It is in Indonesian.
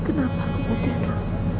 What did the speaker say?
kenapa aku mau tinggal